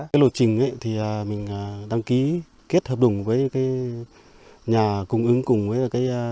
cái lộ trình thì mình đăng ký kết hợp đồng với cái nhà cùng ứng cùng với cái